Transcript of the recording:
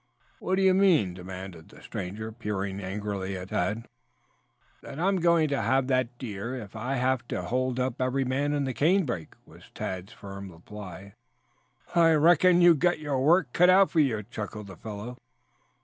"What do you mean?" demanded the stranger, peering angrily at Tad. "That I am going to have that deer if I have to hold up every man in the canebrake," was Tad's firm reply. "I reckon you've got your work out out for you," chuckled the fellow.